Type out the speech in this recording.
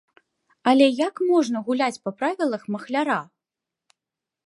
Але як можна гуляць па правілах махляра?